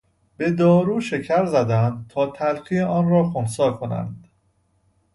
به دارو شکر زدند تا تلخی آن را خنثی کنند.